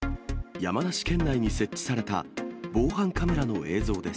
山梨県内に設置された、防犯カメラの映像です。